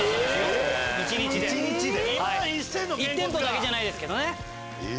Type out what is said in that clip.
１店舗だけじゃないですけどね。